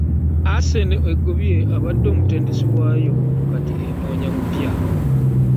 Arsenal egobye abadde omutendesi waayo kati enoonya muggya.